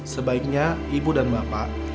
sebaiknya ibu dan bapak